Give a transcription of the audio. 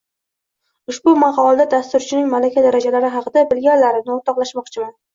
Ushbu maqolada dasturchining malaka darajalari haqida bilganlarimni o’rtoqlashmoqchiman